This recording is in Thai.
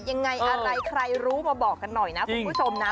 ยังไงอะไรใครรู้มาบอกกันหน่อยนะคุณผู้ชมนะ